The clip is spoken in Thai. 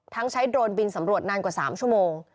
ใช้โดรนบินสำรวจนานกว่า๓ชั่วโมง